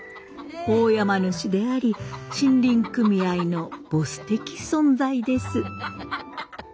大山主であり森林組合のボス的存在です。